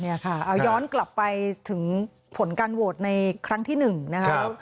เอาย้อนกลับไปถึงผลการโหวตในครั้งที่๑นะคะ